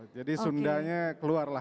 jadi sundanya keluar lah